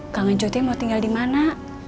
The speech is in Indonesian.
kangen cuy teh mau tinggal dimana